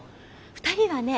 ２人はね